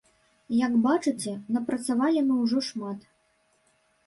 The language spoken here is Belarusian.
Як бачыце, напрацавалі мы ўжо шмат.